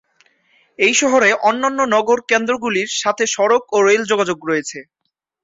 এই শহরে অন্যান্য নগর কেন্দ্রগুলির সাথে সড়ক ও রেল যোগাযোগ রয়েছে।